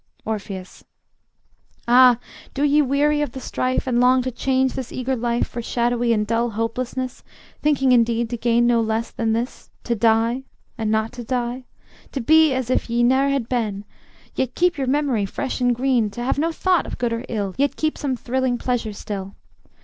Orpheus: Ah! do ye weary of the strife, And long to change this eager life For shadowy and dull hopelessness, Thinking indeed to gain no less Than this, to die, and not to die, To be as if ye ne'er had been, Yet keep your memory fresh and green, To have no thought of good or ill, Yet keep some thrilling pleasure still?